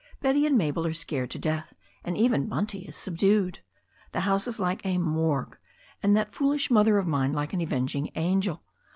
Betty and Mabel are scared to death, and even Bunty is subdued. The house is like a morgue, and that foolish mother of mine like an avenging angel.